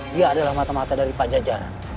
dia adalah mata mata dari pak jajaran